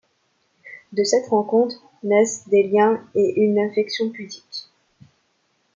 De cette rencontre naissent des liens et une affection pudique.